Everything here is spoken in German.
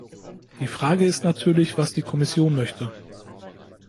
Die Frage ist natürlich, was die Kommission möchte.